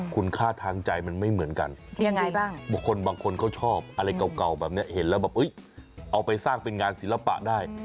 คุณค่าทางใจมันไม่เหมือนกันบางคนเขาชอบอะไรเก่าแบบนี้เห็นแล้วเอาไปสร้างเป็นงานศิลปะได้